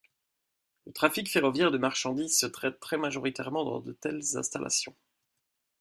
Le trafic ferroviaire de marchandises se traite très majoritairement dans de telles installations.